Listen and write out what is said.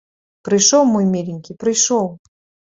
Прыйшоў мой міленькі, прыйшоў!